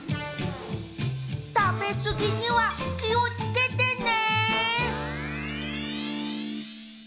たべすぎにはきをつけてね！